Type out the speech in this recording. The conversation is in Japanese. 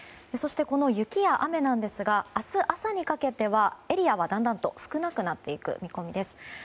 この雪や雨なんですが明日朝にかけてはエリアはだんだんと少なくなっていく見込みです。